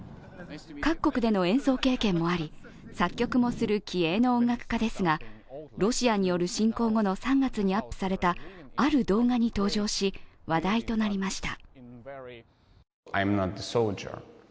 各国での演奏経験もあり、作曲もする気鋭の音楽家ですが、ロシアによる侵攻後の３月にアップされたある動画に登場し、話題となりました。